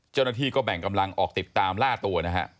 เจ้าหน้าที่ก็แบ่งกำลังออกติดตามล่าตัวนะฮะ